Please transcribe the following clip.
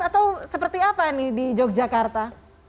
atau seperti apa nih di yogyakarta